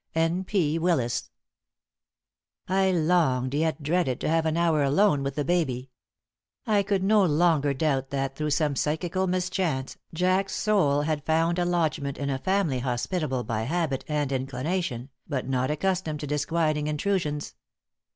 N. P. Willis. I longed, yet dreaded, to have an hour alone with the baby. I could no longer doubt that, through some psychical mischance, Jack's soul had found a lodgment in a family hospitable by habit and inclination, but not accustomed to disquieting intrusions.